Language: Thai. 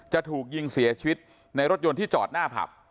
จะถูกยิงเสียชีวิตในรถยนต์ที่จอดหน้าผับ